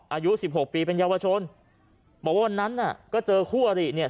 อายุสิบหกปีเป็นเยาวชนบอกว่าวันนั้นน่ะก็เจอคู่อริเนี่ย